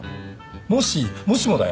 もしもしもだよ